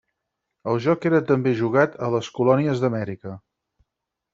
El joc era també jugat a les colònies d'Amèrica.